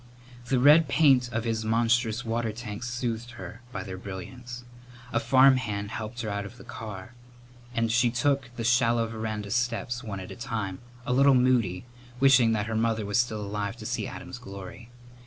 The red paint of his monstrous water tanks soothed her by their brilliance. A farmhand helped her out of the car and she took the shallow veranda steps one at a time, a little moody, wishing that her mother was still alive to see Adam's glory.